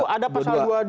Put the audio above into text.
ada pasal dua puluh dua